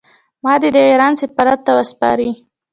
ما دې د ایران سفارت ته وسپاري.